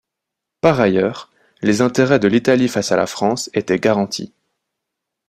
Par ailleurs les intérêts de l'Italie face à la France étaient garantis.